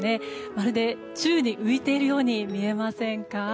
まるで宙に浮いているように見えませんか？